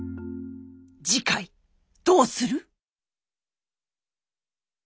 次回どうする？